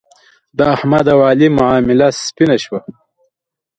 د احمد او علي معامله سپینه شوه.